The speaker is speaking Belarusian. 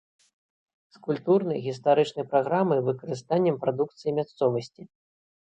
З культурнай, гістарычнай праграмай, выкарыстаннем прадукцыі мясцовасці.